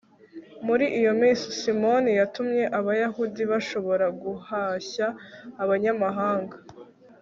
muri iyo minsi, simoni yatumye abayahudi bashobora guhashya abanyamahanga